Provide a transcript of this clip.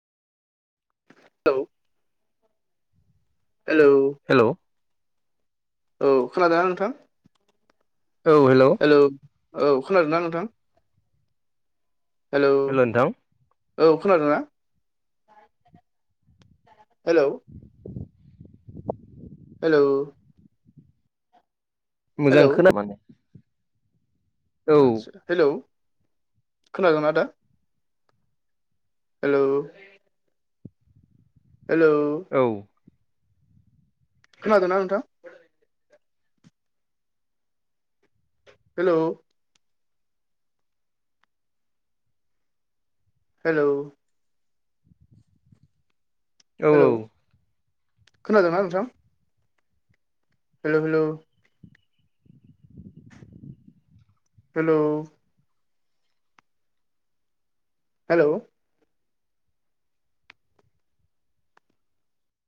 औे। Hello. Hello. औ खोनादोंना नोंथां? औ हेल'। औ। औ खोनादों ना नोंथां? हेल'। हेलौ नोंथां औ खोनादों ना? हेलौ। हेल'। मोजां हेलौ खोना माने। औ आदसा हेलौ खोनादोंना दा? हेलौ। हेल'। औ। खोनादोंना नोंथां? हेल'। हेल'। औ हेलौ खोनादोंना नोंथां? हेलौ हेलौ हेलौ हेल'